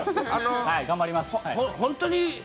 頑張ります。